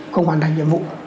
không hoàn thành nhiệm vụ